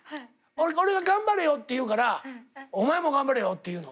俺が「頑張れよ」って言うから「お前も頑張れよ！」って言うの。